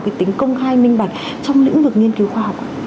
cái tính công khai minh bạch trong lĩnh vực nghiên cứu khoa học